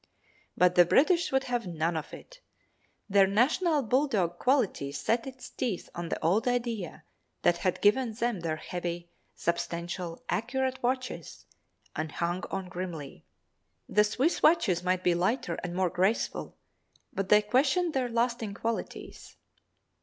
But the British would have none of it. Their national bulldog quality set its teeth on the old idea that had given them their heavy, substantial, accurate watches, and hung on grimly. The Swiss watches might be lighter and more graceful but they questioned their lasting qualities.